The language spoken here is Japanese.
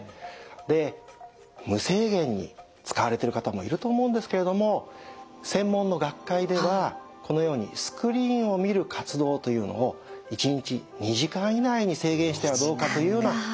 で無制限に使われてる方もいると思うんですけれども専門の学会ではこのようにスクリーンを見る活動というのを１日２時間以内に制限してはどうかというような提言もあります。